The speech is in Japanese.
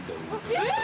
えっ！